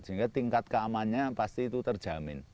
sehingga tingkat keamanannya pasti itu terjamin